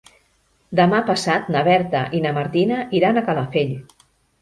Demà passat na Berta i na Martina iran a Calafell.